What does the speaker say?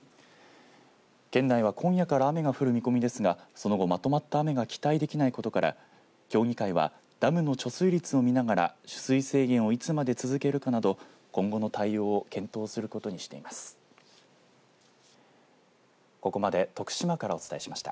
県内は今夜から雨が降る見込みですがその後、まとまった雨が期待できないことから協議会はダムの貯水率を見ながら取水制限をいつまで続けるかなど今後の対応を検討することにしています。